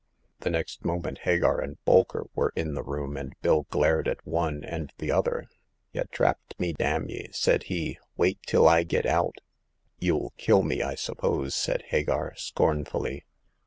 The next moment Hagar and Bolker were in the room, and Bill glared at one and the other. Y' trapped me, d n y' !" said he ;wait till I git out !''Youll kill me, I suppose ?" said Hagar, scornfully.